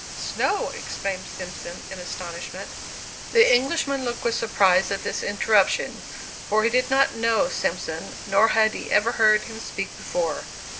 "Snow!" exclaimed Simpson, in astonishment. The Englishman looked with surprise at this interruption; for he did not know Simpson, nor had he ever heard him speak before.